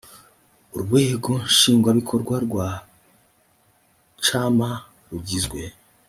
urwego nshingwabikorwa rwa cma rugizwe